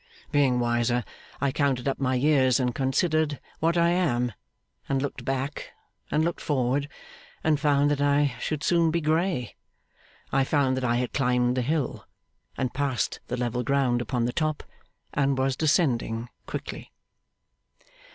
Being wiser, I counted up my years and considered what I am, and looked back, and looked forward, and found that I should soon be grey. I found that I had climbed the hill, and passed the level ground upon the top, and was descending quickly.